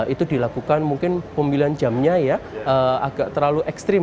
itu dilakukan mungkin pemilihan jamnya ya agak terlalu ekstrim